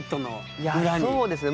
いやそうですね。